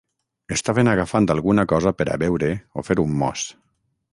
Estaven agafant alguna cosa per a beure o fer un mos.